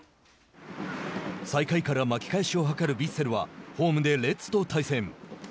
最下位から巻き返しを図るヴィッセルはホームでレッズと対戦。